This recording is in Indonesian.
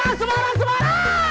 boris belum ada kabar